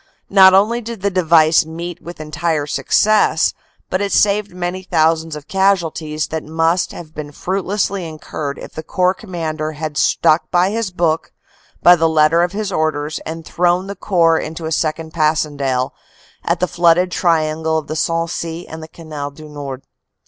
Not only did the device meet with entire success, but it saved many thousands of casualties that must have been fruitlessly incurred if the Corps Commander had stuck by his book by the letter of his orders and thrown the Corps into a second Passchendaele at the flooded triangle of the Sensee and the Canal du Nord.